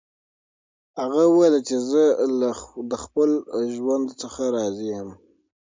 هغه وویل چې زه له خپل ژوند څخه راضي یم.